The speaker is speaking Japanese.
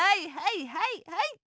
はいはい。